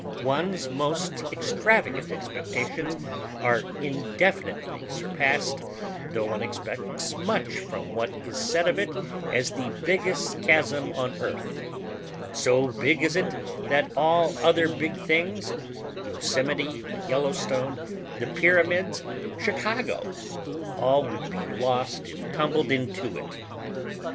One's most extravagant expectations are indefinitely surpassed, though one expects much from what is said of it as "the biggest chasm on earth"—"so big is it that all other big things—Yosemite, the Yellowstone, the Pyramids, Chicago—all would be lost if tumbled into it."